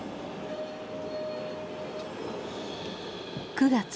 ９月。